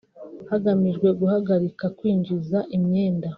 hagamijwe guhagarika kwinjiza imyenda